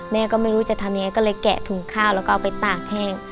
แม่ก็ไม่รู้จะทำยังไงก็เลยแกะถุงข้าวแล้วก็เอาไปตากแห้ง